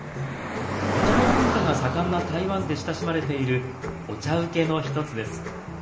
お茶の文化が盛んな台湾で親しまれているお茶うけの一つです。